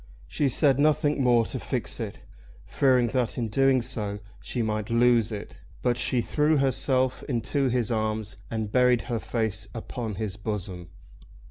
She said nothing more to fix it, fearing that in doing so she might lose it; but she threw herself into his arms and buried her face upon his bosom.